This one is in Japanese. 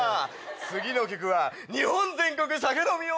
次の曲は『日本全国酒飲み音頭』。